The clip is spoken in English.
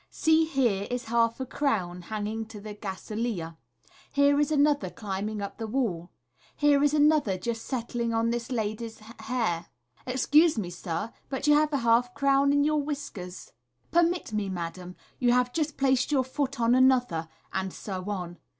See, here is a half crown hanging to the gaselier. Here is another climbing up the wall. Here is another just settling on this lady's hair. Excuse me, sir, but you have a half crown in your whiskers. Permit me, madam j you have just placed your foot on another," and so on.